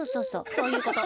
そういうこと。